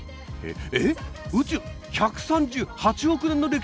えっ宇宙１３８億年の歴史がある！